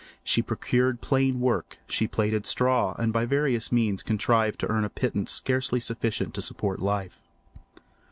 She procured plain work; she plaited straw and by various means contrived to earn a pittance scarcely sufficient to support life.